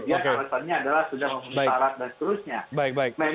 dan kemudian alasannya adalah sudah memutuskan